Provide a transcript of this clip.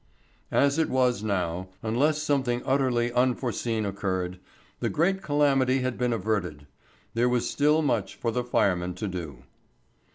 As it was now, unless something utterly unforeseen occurred, the great calamity had been averted. There was still much for the firemen to do.